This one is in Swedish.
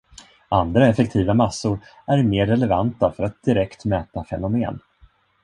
Andra effektiva massor är mer relevanta för att direkt mäta fenomen.